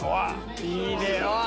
いいね！